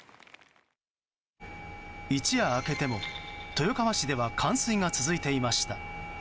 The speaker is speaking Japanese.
一夜明けても、豊川市では冠水が続いていました。